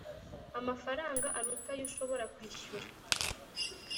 amafaranga aruta ayo ushobora kwishyura